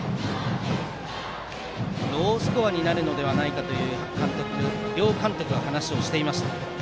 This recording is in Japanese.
ロースコアになるのではないかと両監督が話していました。